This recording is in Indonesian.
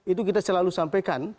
itu kita selalu sampaikan